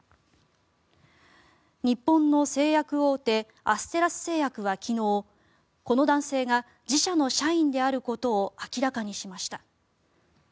日本の製薬大手アステラス製薬は昨日この男性が自社の社員であることを明らかにしました。